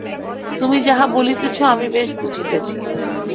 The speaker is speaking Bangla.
তুমি যাহা বলিতেছ আমি বেশ বুঝিতেছি।